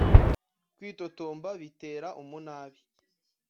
kwitotomba bitera umu nabi